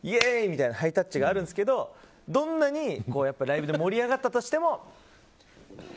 みたいなハイタッチがあるんですけどどんなにライブで盛り上がったとしても。